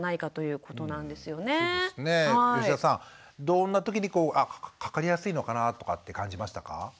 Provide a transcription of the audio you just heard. どんなときにかかりやすいのかなとかって感じましたか？